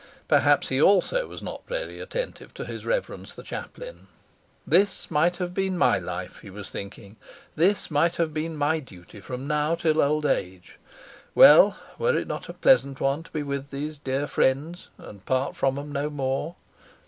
Perhaps he also was not very attentive to his Reverence the Chaplain. "This might have been my life," he was thinking; "this might have been my duty from now till old age. Well, were it not a pleasant one to be with these dear friends and part from 'em no more?